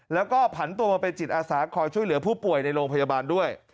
แล้วก็ผันตัวมาเป็นจิตอาสาคอยช่วยเหลือผู้ป่วยในโรงพยาบาลด้วย